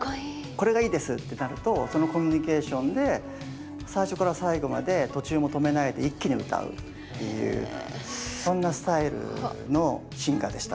「これがいいです」ってなるとそのコミュニケーションで最初から最後まで途中も止めないで一気に歌うっていうそんなスタイルのシンガーでしたね。